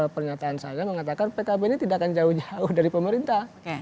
pernyataan saya mengatakan pkb ini tidak akan jauh jauh dari pemerintah